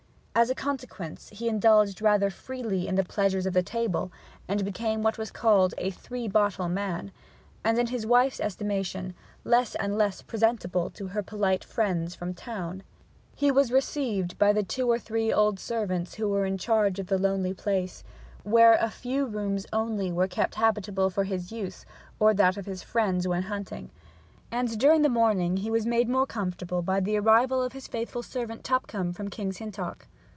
As a consequence he indulged rather freely in the pleasures of the table, became what was called a three bottle man, and, in his wife's estimation, less and less presentable to her polite friends from town. He was received by the two or three old servants who were in charge of the lonely place, where a few rooms only were kept habitable for his use or that of his friends when hunting; and during the morning he was made more comfortable by the arrival of his faithful servant Tupcombe from King's Hintock.